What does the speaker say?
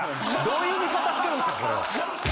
どういう見方してるんすかこれを。